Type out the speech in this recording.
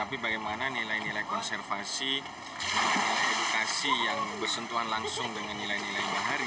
tapi bagaimana nilai nilai konservasi edukasi yang bersentuhan langsung dengan nilai nilai bahari